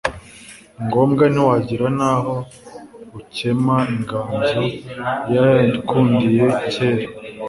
Ngombwa ntiwagira n' aho ukemaInganzo yayikundiye kera